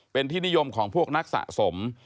เป็นที่นิยมของพวกนักสะสม